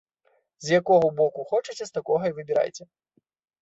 З якога боку хочаце, з такога і выбірайце.